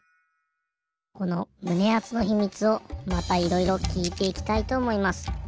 このむねあつの秘密をまたいろいろきいていきたいとおもいます。